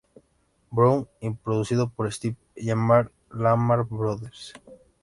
Brown y producido por Steve Lamar para Lamar Brothers.